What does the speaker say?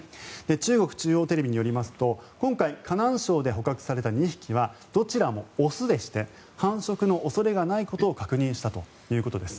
中国中央テレビによりますと今回、河南省で捕獲された２匹はどちらも雄でして繁殖の恐れがないことを確認したということです。